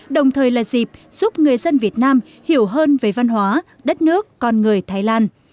đồng thời là dịp giúp người dân việt nam hiểu hơn về văn hóa đất nước con người thái lan